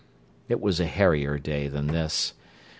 It was a hairier day than this.